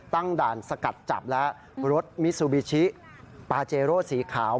ตั้งด่านสกัดจับแล้วรถมิซูบิชิปาเจโร่สีขาว